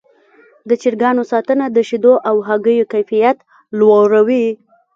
د چرګانو ساتنه د شیدو او هګیو کیفیت لوړوي.